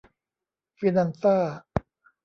ฟินันซ่า